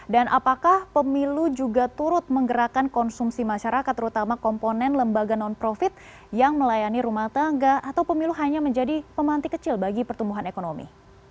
apakah pemilu juga turut menggerakkan konsumsi masyarakat terutama komponen lembaga non profit yang melayani rumah tangga atau pemilu hanya menjadi pemantik kecil bagi pertumbuhan ekonomi